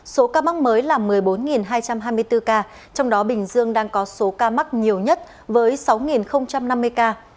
số ca mắc mới là một mươi bốn hai trăm hai mươi bốn ca trong đó bình dương đang có số ca mắc nhiều nhất với sáu năm mươi ca